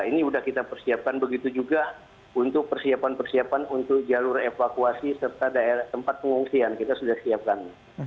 ini sudah kita persiapkan begitu juga untuk persiapan persiapan untuk jalur evakuasi serta tempat pengungsian kita sudah siapkan